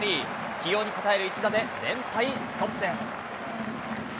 起用に応える一打で、連敗ストップです。